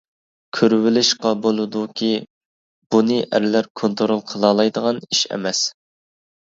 كۆرۈۋېلىشقا بولىدۇكى، بۇنى ئەرلەر كونترول قىلالايدىغان ئىش ئەمەس.